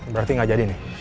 berarti gak jadi nih